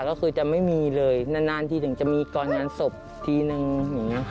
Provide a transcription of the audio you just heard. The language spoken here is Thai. ก็คือจะไม่มีเลยนานทีถึงจะมีก่อนงานศพทีนึงอย่างนี้ค่ะ